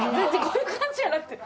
「こういう感じ」じゃなくて。